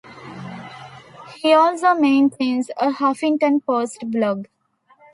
He also maintains a "Huffington Post" blog.